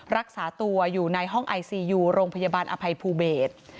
รักษาตัวอยู่ในห้องไอซียูโรงพยาบาลอภัยภูเบศ